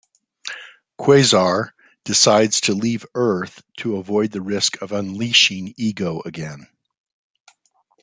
Quasar decides to leave Earth to avoid the risk of unleashing Ego again.